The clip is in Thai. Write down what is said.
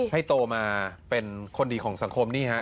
โตมาเป็นคนดีของสังคมนี่ฮะ